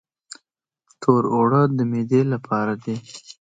تور اوړه د معدې لپاره دي.